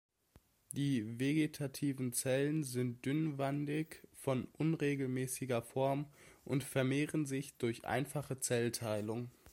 Die vegetativen Zellen sind dünnwandig, von unregelmäßiger Form und vermehren sich durch einfache Zellteilung.